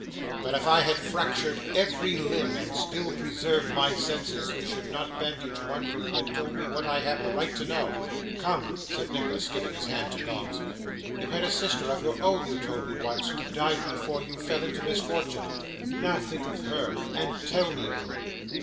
'But if I had fractured every limb, and still preserved my senses, you should not bandage one till you had told me what I have the right to know. Come,' said Nicholas, giving his hand to Noggs. 'You had a sister of your own, you told me once, who died before you fell into misfortune. Now think of her, and tell me, Newman.